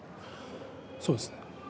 そうですね。